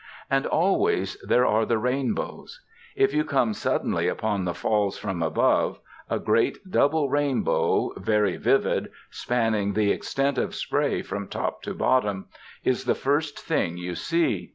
And always there are the rainbows. If you come suddenly upon the Falls from above, a great double rainbow, very vivid, spanning the extent of spray from top to bottom, is the first thing you see.